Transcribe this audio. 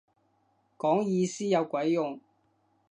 講意思有鬼用